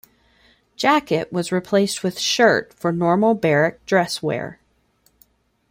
Jacket was replaced with shirt for normal barrack dress wear.